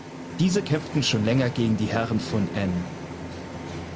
Diese kämpften schon länger gegen die Herren von Enne.